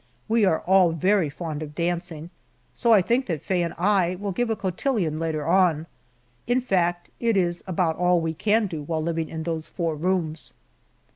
We are all very fond of dancing, so I think that Faye and I will give a cotillon later on. In fact, it is about all we can do while living in those four rooms.